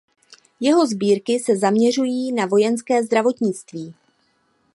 Jeho sbírky se zaměřují na vojenské zdravotnictví.